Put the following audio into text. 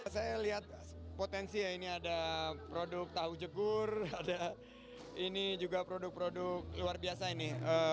saya lihat potensi ya ini ada produk tahu jegur ada ini juga produk produk luar biasa ini